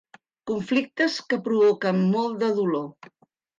Conflictes que provoquen molt de dolor.